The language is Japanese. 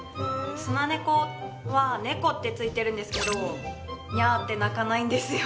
スナネコはネコってついてるんですけどニャーって鳴かないんですよ